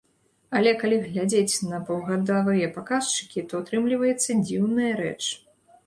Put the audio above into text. Але, калі глядзець на паўгадавыя паказчыкі, то атрымліваецца дзіўная рэч.